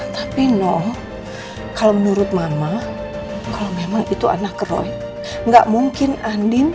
tapi nong kalau menurut mama kalau memang itu anak roy enggak mungkin andin